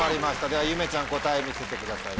ではゆめちゃん答え見せてください